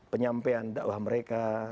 penyampaian da'wah mereka